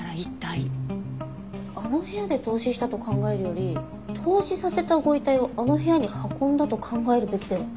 あの部屋で凍死したと考えるより凍死させたご遺体をあの部屋に運んだと考えるべきでは？